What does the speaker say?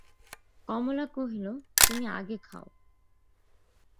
কমলা কহিল, তুমি আগে খাও!